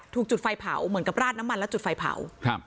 ถูกจุดไฟเผาเหมือนกับราดน้ำมันแล้วจุดไฟเผาครับ